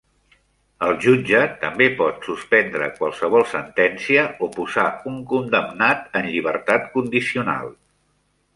El jutge també pot suspendre qualsevol sentència o posar un condemnat en llibertat condicional.